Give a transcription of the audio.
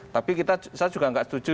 tapi saya juga nggak setuju